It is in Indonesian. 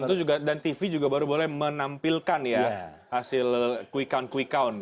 dan itu juga dan tv juga baru boleh menampilkan ya hasil quick count quick count